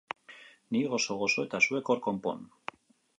Ni gozo-gozo eta zuek hor konpon!